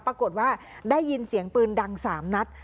ปรากฏว่าได้ยินเสียงปืนดัง๓นัด